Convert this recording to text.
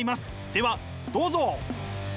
ではどうぞ！